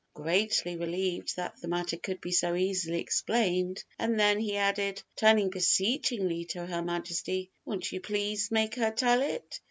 greatly relieved that the matter could be so easily explained; and then he added, turning beseechingly to Her Majesty, "Won't you please make her tell it?